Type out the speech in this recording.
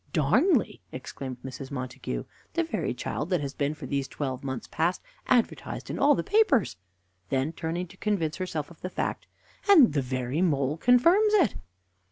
"Darnley!" exclaimed Mrs. Montague "the very child that has been for these twelve months past advertised in all the papers" then turning to convince herself of the fact "and the very mole confirms it."